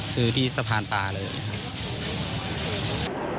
คือที่สะพานปลาเลยครับ